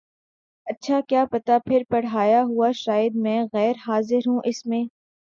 اچھا کیا پتا پھر پڑھایا ہو شاید میں غیر حاضر ہوں اس میں